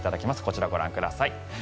こちらをご覧ください。